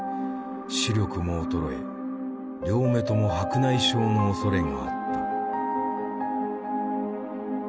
視力も衰え両目とも白内障のおそれがあった。